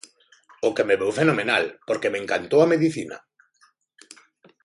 O que me veu fenomenal, porque me encantou a medicina.